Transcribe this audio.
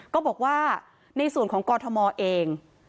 ก็บอกว่าในส่วนของกรทมเอง